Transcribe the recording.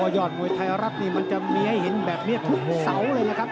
ยอดมวยไทยรัฐนี่มันจะมีให้เห็นแบบนี้ทุกเสาเลยนะครับ